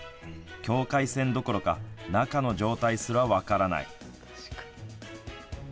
境界線どころか中の状態すら分からない。